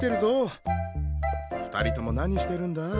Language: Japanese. ２人とも何してるんだ？